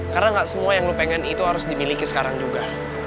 karena gak semua yang lo pengen itu harus dimiliki sekarang juga